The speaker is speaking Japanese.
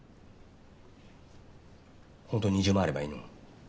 ほんとに２０万あればいいの？